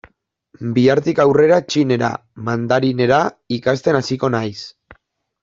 Bihartik aurrera txinera, mandarinera, ikasten hasiko naiz.